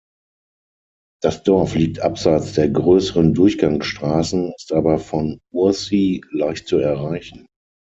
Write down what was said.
Das Dorf liegt abseits der grösseren Durchgangsstrassen, ist aber von Ursy leicht zu erreichen.